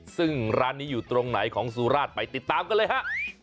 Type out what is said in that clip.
ซึ่งร้านนี้อยู่ตรงไหนของสุราชไปติดตามกันเลยฮะ